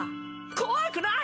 怖くない！